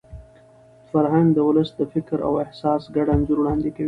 فرهنګ د ولس د فکر او احساس ګډ انځور وړاندې کوي.